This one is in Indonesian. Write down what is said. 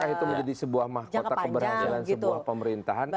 apakah itu menjadi sebuah mahkota keberhasilan sebuah pemerintahan